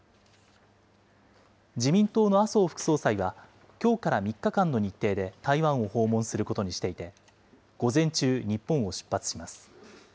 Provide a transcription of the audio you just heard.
自民党の麻生副総裁はきょうから３日間の日程で台湾を訪問することにしていて、午前中、日本を出発します。